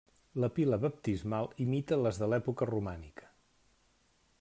La pila baptismal imita les d'època romànica.